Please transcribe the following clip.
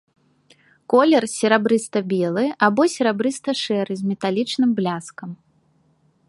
Колер серабрыста-белы або серабрыста-шэры з металічным бляскам.